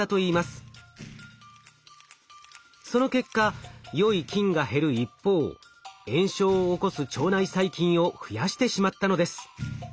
その結果よい菌が減る一方炎症を起こす腸内細菌を増やしてしまったのです。